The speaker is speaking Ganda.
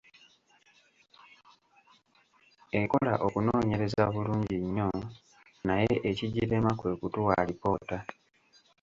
Ekola okunoonyereza bulungi nnyo, naye ekigirema kwe kutuwa alipoota.